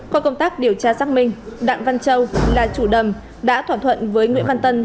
qua công tác điều tra xác minh đặng văn châu là chủ đầm đã thỏa thuận với nguyễn văn tân